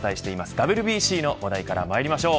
ＷＢＣの話題からまいりましょう。